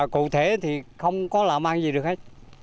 cụ thể thì không có làm ăn gì được hết